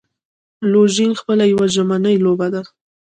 لوژینګ خپله یوه ژمنی لوبه ده.